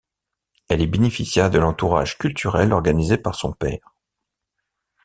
Elle y bénéficia de l'entourage culturel organisé par son père.